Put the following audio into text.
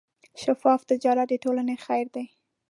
شفاف تجارت د ټولنې خیر دی.